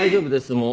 もう。